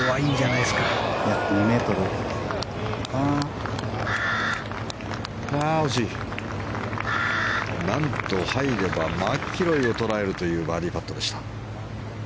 なんと入ればマキロイを捉えるというバーディーパットでした。